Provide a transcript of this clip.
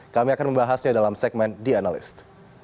kami akan membahasnya dalam segmen the analyst